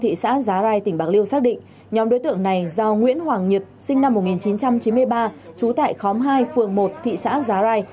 thị xã giá rai tỉnh bạc liêu xác định nhóm đối tượng này do nguyễn hoàng nhật sinh năm một nghìn chín trăm chín mươi ba trú tại khóm hai phường một thị xã giá rai